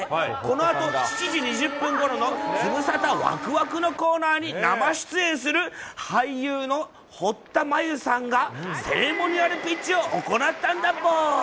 このあと７時２０分ごろのズムサタわくわくのコーナーに生出演する俳優の堀田真由さんがセレモニアルピッチを行ったんだぼー。